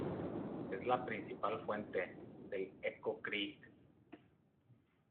Es la principal fuente del Echo Creek.